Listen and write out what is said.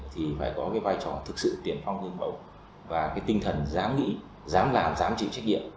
thì phải có cái vai trò thực sự tiền phong gương mẫu và cái tinh thần dám nghĩ dám làm dám chịu trách nhiệm